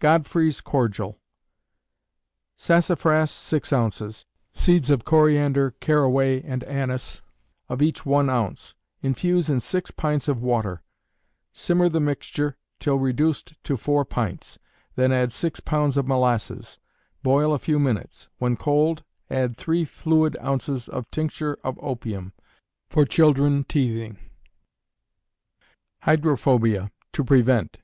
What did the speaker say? Godfrey's Cordial. Sassafras, six ounces; seeds of coriander, caraway and anise, of each one ounce; infuse in six pints of water; simmer the mixture till reduced to four pints; then add six pounds of molasses; boil a few minutes; when cold, add three fluid ounces of tincture of opium. For children teething. _Hydrophobia, to Prevent.